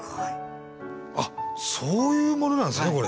あっそういうものなんですねこれ。